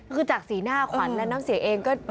คือจากสีหน้าขวัญและน้ำเสียเองก็